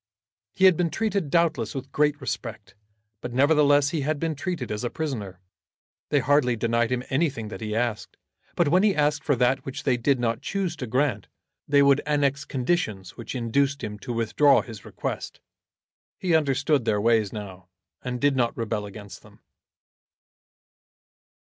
He had been treated doubtless with great respect, but nevertheless he had been treated as a prisoner. They hardly denied him anything that he asked, but when he asked for that which they did not choose to grant they would annex conditions which induced him to withdraw his request. He understood their ways now, and did not rebel against them.